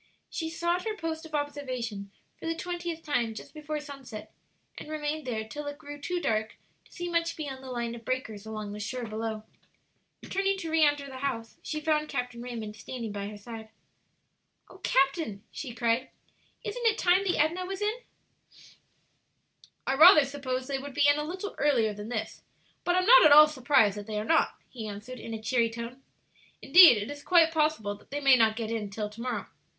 She sought her post of observation for the twentieth time just before sunset, and remained there till it grew too dark to see much beyond the line of breakers along the shore below. Turning to re enter the house, she found Captain Raymond standing by her side. "O captain," she cried, "isn't it time the Edna was in?" "I rather supposed they would be in a little earlier than this, but am not at all surprised that they are not," he answered, in a cheery tone. "Indeed, it is quite possible that they may not get in till to morrow.